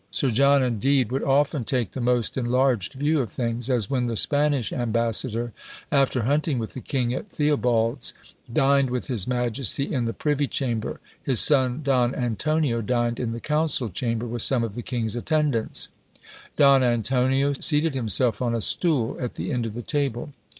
Sir John, indeed, would often take the most enlarged view of things; as when the Spanish ambassador, after hunting with the king at Theobalds, dined with his majesty in the privy chamber, his son Don Antonio dined in the council chamber with some of the king's attendants. Don Antonio seated himself on a stool at the end of the table.